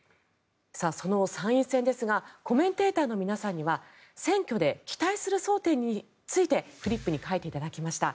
その参院選ですがコメンテーターの皆さんには選挙で期待する争点についてフリップに書いていただきました。